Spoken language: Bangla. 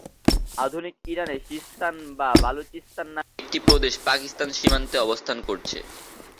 আধুনিক ইরানে সিস্তান ভা বালুচিস্তান নামে একটি প্রদেশ পাকিস্তান সীমান্তে অবস্থান করছে।